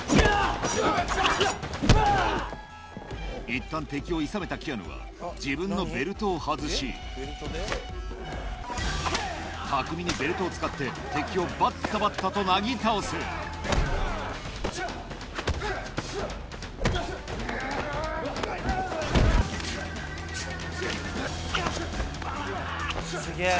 いったん敵をいさめたキアヌは自分のベルトを外し巧みにベルトを使って敵をばったばったとなぎ倒すすげぇ！